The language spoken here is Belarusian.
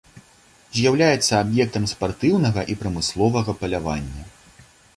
З'яўляецца аб'ектам спартыўнага і прамысловага палявання.